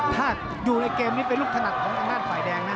ถ้าอยู่ในเกมนี้เป็นลูกถนัดของทางด้านฝ่ายแดงนะ